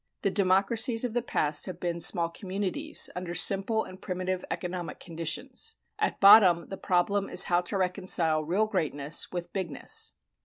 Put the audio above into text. The democracies of the past have been small communities, under simple and primitive economic conditions. At bottom the problem is how to reconcile real greatness with bigness.